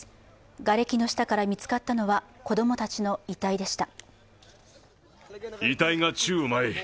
がれきの下から見つかったのは子供たちの遺体でした。